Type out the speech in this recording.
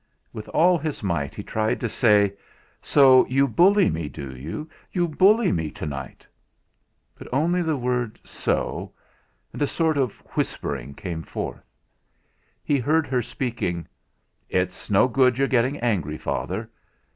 With all his might he tried to say: 'So you bully me, do you you bully me to night!' but only the word "so" and a sort of whispering came forth. He heard her speaking. "It's no good your getting angry, Father.